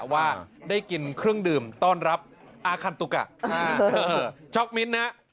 ว่าได้กินเครื่องดื่มต้อนรับอาคันตุกะช็อกมิ้นนะ